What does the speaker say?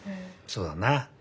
そうだな。